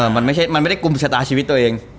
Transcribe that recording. มันไม่ได้กลุ่มชะตาชีวิตตัวเอง